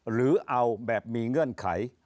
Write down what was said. หรือเอาแบบมีเงื่อนไข